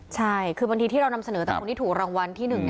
ใช่คือบางทีที่เรานำเสนอแต่คนที่ถูกรางวัลที่๑